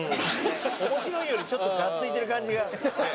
面白いよりちょっとがっついてる感じが。